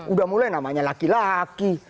udah mulai namanya laki laki